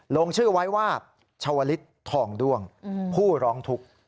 ลงชื่อไว้ว่าชาวลิศทองด้วงผู้ร้องทุกข์